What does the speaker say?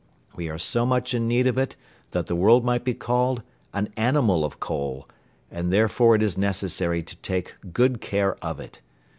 We are so much in need of it that the world might be called "an animal of coal," and therefore it is necessary to take good care of it.